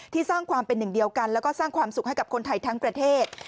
สร้างความเป็นหนึ่งเดียวกันแล้วก็สร้างความสุขให้กับคนไทยทั้งประเทศ